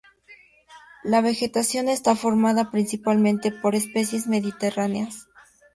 La vegetación está formada principalmente por especies mediterráneas.